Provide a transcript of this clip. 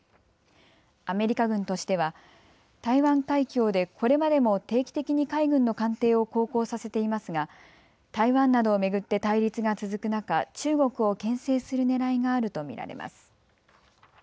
アメリカ軍としては台湾海峡でこれまでも定期的に海軍の艦艇を航行させていますが台湾などを巡って対立が続く中、中国をけん制するねらいがあると見られます。